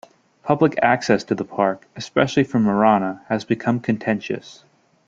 Public access to the Park, especially from Marana, has become contentious.